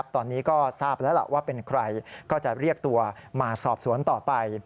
ตอนนี้ก็ทราบแล้วล่ะว่าเป็นใครก็จะเรียกตัวมาสอบสวนต่อไป